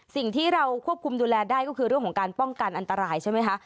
สิ่งที่เราควบคุมดูแลได้ก็คือเรื่องของการป้องกันอันตรายใช่ไหมคะ